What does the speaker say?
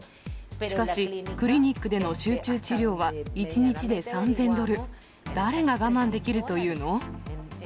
しかし、クリニックでの集中治療は１日で３０００ドル、誰が我慢できるというの？